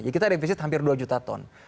jadi kita ada defisit hampir dua juta ton